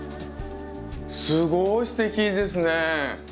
すごいすてきですね。